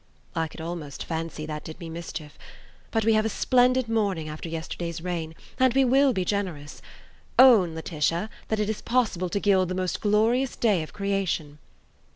I could almost fancy that did me mischief. .. But we have a splendid morning after yesterday's rain. And we will be generous. Own, Laetitia, that it is possible to gild the most glorious day of creation."